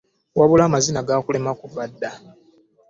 Wabula amazina gaakulema kuva dda.